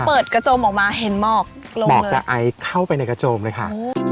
เปิดกระโจมออกมาเห็นหมอกลงหมอกจะไอเข้าไปในกระโจมเลยค่ะ